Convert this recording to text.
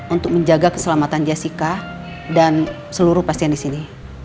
untuk menjaga keselamatan jessica dan seluruh pasien disini